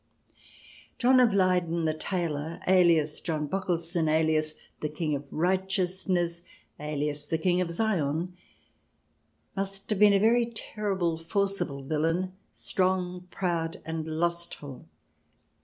John of Leyden, the tailor, alias John Bockelson, alias the King of Righteousness, alias the King of Zion, must have been a very terrible, forcible villain, strong, proud, and lustful.